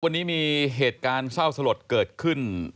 วันนี้มีเหตุการณ์เศร้าสลดเกิดขึ้น